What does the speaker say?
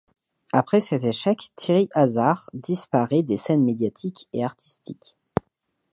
Après cet échec, Thierry Hazard disparaît des scènes médiatiques et artistiques.